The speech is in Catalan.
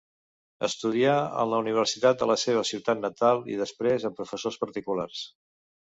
Estudià en la Universitat de la seva ciutat natal i després amb professors particulars.